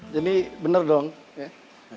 jadi benar dong ya